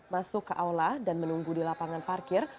masuk ke aula dan menunggu di lapangan parkir